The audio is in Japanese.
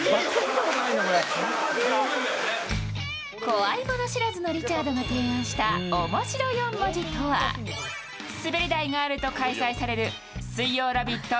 怖い物知らずのリチャードが提案したオモシロ４文字とは滑り台があると開催される水曜「ラヴィット！」